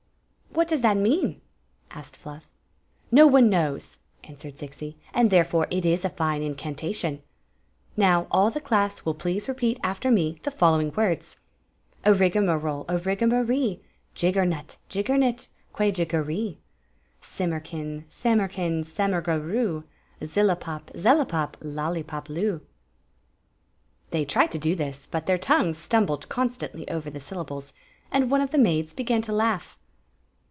"*" What does that mean ?" asked Fluff. "No one knows," answered Zixi; "and therefore It IS a fine incantation. Now, all the class will please repeat after me the following words: " Erig a ma role, erig a ma ree ; Jijg ger nut, jog ger nit, que jig^er ee. SuiMner kiii, sam mer4cin, sem mer ga roo ; Zi]4i pop, zeMi pop, loUi pop4oo f " They tried to do this, but their tongues stumbled constandy over the syllables, and one of the makk began to laugh.